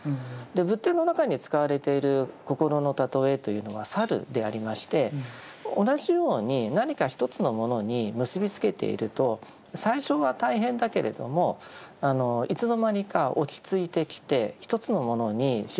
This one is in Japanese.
仏典の中に使われている心の例えというのは猿でありまして同じように何か１つのものに結びつけていると最初は大変だけれどもいつの間にか落ち着いてきてと説かれてるんです。